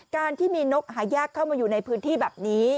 การที่มีนกหายากเข้ามาอยู่ในพื้นที่แบบนี้